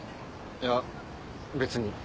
いや別に。